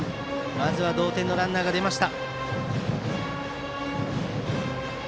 まず同点のランナーが出た。